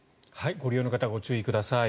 ご利用の方ご注意ください。